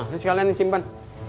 ini sekalian simpan